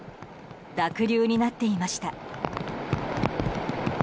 濁流になっていました。